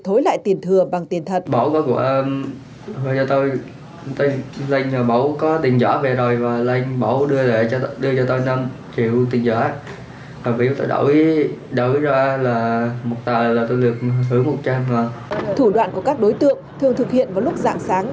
thối lại tiền thừa bằng tiền thật thủ đoạn của các đối tượng thường thực hiện vào lúc dạng sáng